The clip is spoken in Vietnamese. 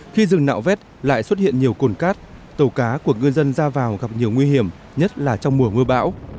khi rừng nạo vét lại xuất hiện nhiều cồn cát tàu cá của ngư dân ra vào gặp nhiều nguy hiểm nhất là trong mùa mưa bão